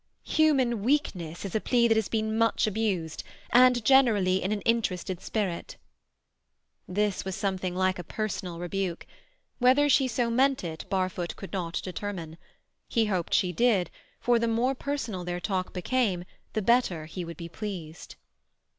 "Human weakness is a plea that has been much abused, and generally in an interested spirit." This was something like a personal rebuke. Whether she so meant it, Barfoot could not determine. He hoped she did, for the more personal their talk became the better he would be pleased.